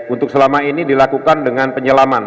untuk selama ini dilakukan dengan penyelaman